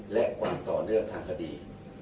และความต่อเนื่องทางคดี